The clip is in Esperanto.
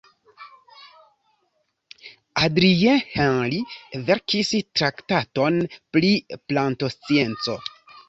Adrien-Henri verkis traktaton pri plantoscienco.